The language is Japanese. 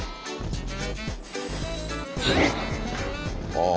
ああ。